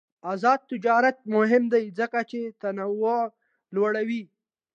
آزاد تجارت مهم دی ځکه چې تنوع لوړوی.